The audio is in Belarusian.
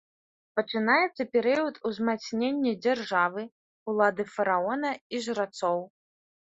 Пачынаецца перыяд узмацнення дзяржавы, улады фараона і жрацоў.